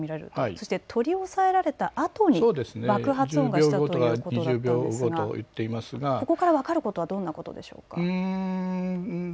そして取り押さえられたあとに爆発音がしたということだったんですがここから分かることはどんなことでしょうか。